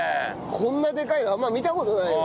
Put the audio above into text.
こんなでかいのあんま見た事ないよ。